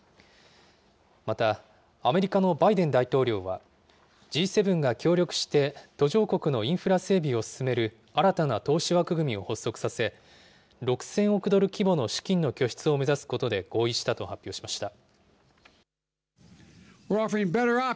また、アメリカのバイデン大統領は、Ｇ７が協力して途上国のインフラ整備を進める新たな投資枠組みを発足させ、６０００億ドル規模の資金の拠出を目指すことで合意したと発表しました。